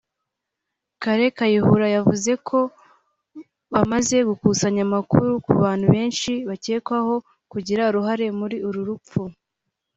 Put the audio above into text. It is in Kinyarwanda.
Kale Kayihura yavuze ko bamaze gukusanya amakuru ku bantu benshi bakekwaho kugira uruhare muri uru rupfu